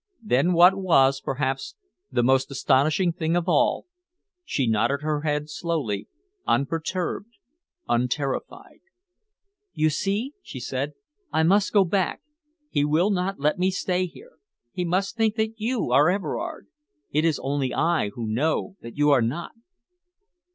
Then what was, perhaps, the most astonishing thing of all, she nodded her head slowly, unperturbed, unterrified. "You see," she said, "I must go back. He will not let me stay here. He must think that you are Everard. It is only I who know that you are not."